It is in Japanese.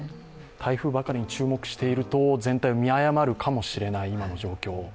台風ばかりに注目していると全体を見誤るかもしれない今の状況。